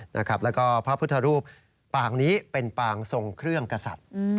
แล้วก็พระพุทธรูปปางนี้เป็นปางทรงเครื่องกษัตริย์